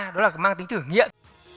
đó là cái mang tính thử nghiệm